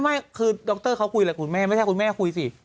ไม่คือดรเขาคุยแหละคุณแม่ไม่ใช่คุณแม่คุยสิ